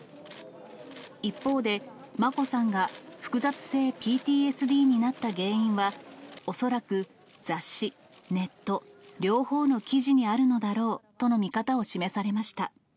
一方で、眞子さんが複雑性ＰＴＳＤになった原因は、恐らく雑誌、ネット、両方の記事にあるのだろうとの見方を示されました。